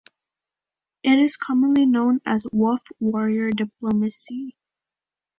It is commonly known as "Wolf warrior diplomacy".